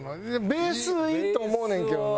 ベースいいと思うねんけどな。